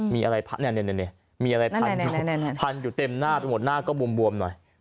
มีอะไรพันอยู่เต็มหน้าหมดหน้าก็บวมหน่อย